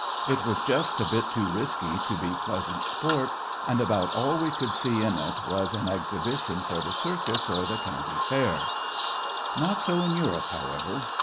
It was just a bit too risky to be pleasant sport, and about all we could see in it was an exhibition for the circus or the county fair. Not so in Europe, however.